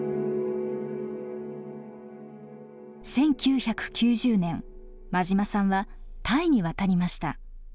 １９９０年馬島さんはタイに渡りました。